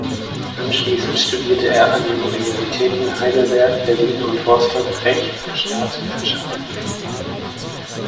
Anschließend studierte er an den Universitäten Heidelberg, Berlin und Rostock Rechts- und Staatswissenschaften.